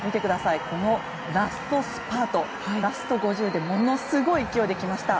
このラストスパートラスト５０でものすごい勢いできました。